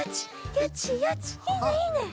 いいねいいね！